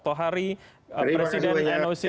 terima kasih absolutely